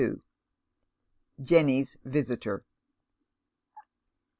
jenny's visitor.